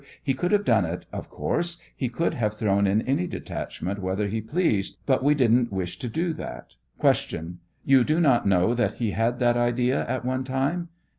He could have done it, of course ; he could have thrown in any detachment whether he pleased, but we didn't wish to do that. Q. Tou do not know that he had that idea at one time?